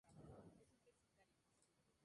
Los frutos son de color verde a verde amarillento.